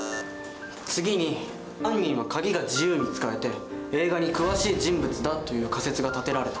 次に犯人は鍵が自由に使えて映画に詳しい人物だという仮説が立てられた。